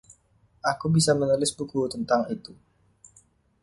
Aku bisa menulis buku tentang itu.